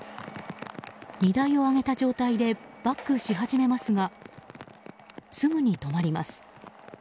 荷台を上げた状態でバックし始めますがすぐに止まります。